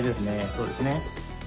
そうですね。